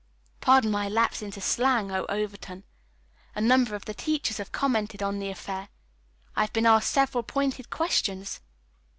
Pardon my lapse into slang, O, Overton. A number of the teachers have commented on the affair. I've been asked several pointed questions."